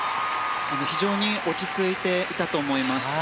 非常に落ち着いていたと思います。